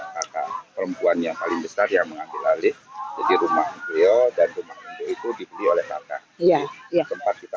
kakak perempuan yang paling besar yang mengambil alih jadi rumah prio dan rumah itu dibeli oleh kakak